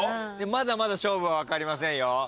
まだまだ勝負は分かりませんよ。